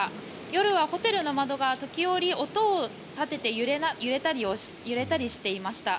夜はホテルの窓が時折、音を立てて揺れたりしていました。